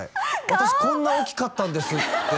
私こんな大きかったんですって